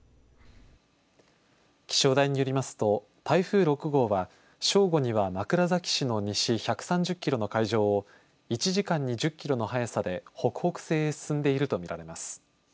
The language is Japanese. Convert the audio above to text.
気象台によりますと台風６号は正午には枕崎市の西１３０キロの海上を１時間に１０キロの速さで北北西へ進んでいると見られます。